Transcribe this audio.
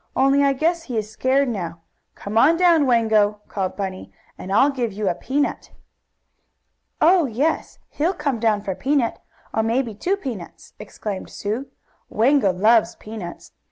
"Only I guess he is scared, now. Come on down, Wango!" called Bunny, "and I'll give you a peanut." "Oh, yes, he'll come down for a peanut, or maybe two peanuts!" exclaimed Sue. "Wango loves peanuts.